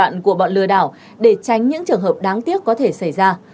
và các thủ đoạn của bọn lừa đảo để tránh những trường hợp đáng tiếc có thể xảy ra